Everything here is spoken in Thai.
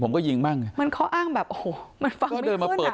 ผมก็ยิงบ้างไงมันเขาอ้างแบบโอ้โหมันฟังเขาเดินมาเปิด